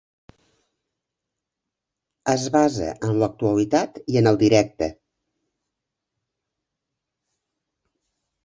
Es basa en l'actualitat i en el directe.